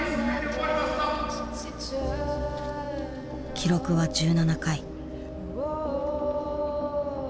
記録は１７回。